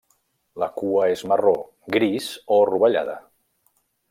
La cua és marró, gris o rovellada.